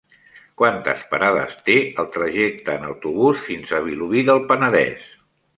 Quantes parades té el trajecte en autobús fins a Vilobí del Penedès?